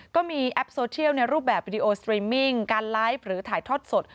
ก็มีแอปโซเชียลในรูปแบบวิดีโอสตรีมมิ่งการไลฟ์หรือถ่ายทอดสด